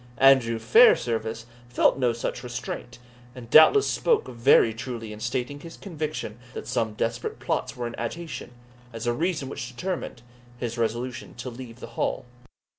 Andrew Fairservice felt no such restraint, and doubtless spoke very truly in stating his conviction that some desperate plots were in agitation, as a reason which determined his resolution to leave the Hall.